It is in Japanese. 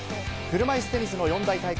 車いすテニスの四大大会